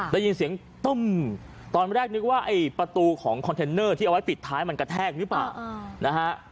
ได้ยินเสียงตึ้มตอนแรกนึกว่าไอ้ประตูของคอนเทนเนอร์ที่เอาไว้ปิดท้ายมันกระแทกหรือเปล่านะฮะ